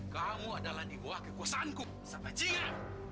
kamu adalah di bawah kekuasaanku satajika